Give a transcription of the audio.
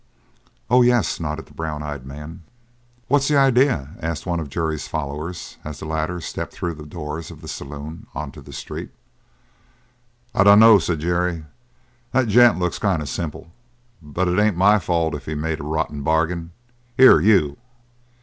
"Oh, yes," nodded the brown eyed man. "What's the idea?" asked one of Jerry's followers as the latter stepped through the doors of the saloon onto the street. "I dunno," said Jerry. "That gent looks kind of simple; but it ain't my fault if he made a rotten bargain. Here, you!"